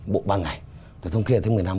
bộ ba ngày từ hôm kia đến một mươi năm